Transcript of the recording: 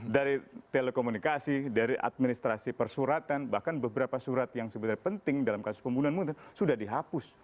dari telekomunikasi dari administrasi persuratan bahkan beberapa surat yang sebenarnya penting dalam kasus pembunuhan munir sudah dihapus